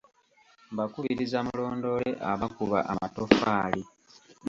Mbakubiriza mulondoole abakuba amatoffaali.